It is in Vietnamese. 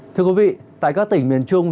thưa quý vị tại các tỉnh miền trung